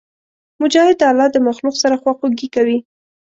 مجاهد د الله د مخلوق سره خواخوږي کوي.